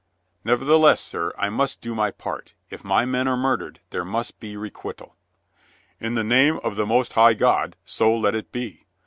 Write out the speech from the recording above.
"Nevertheless, sir, I must do my part. If my men are murdered, there must be requital." "In the name of the most high God, so let it be!